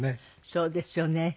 そうですよね。